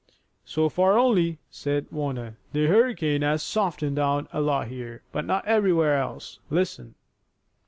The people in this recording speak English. "So far only," said Warner. "The hurricane has softened down a lot here, but not everywhere else. Listen!"